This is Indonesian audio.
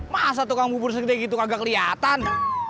masa tukang bubur segede gitu kagak kelihatan